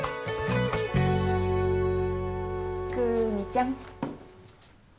久実ちゃん。